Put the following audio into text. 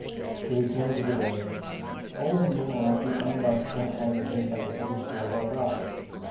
To return to the dairying. Old and young alike we earned our scant livelihood by the heavy sweat of our brows.